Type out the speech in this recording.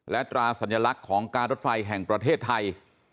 และตราสัญลักษณ์ของการรถไฟแห่งประเทศไทย